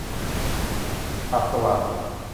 ปากสว่าง